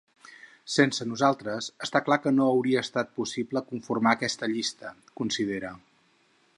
Sense nosaltres està clar que no hauria estat possible conformar aquesta llista, considera.